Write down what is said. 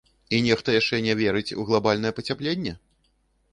І нехта яшчэ не верыць у глабальнае пацяпленне?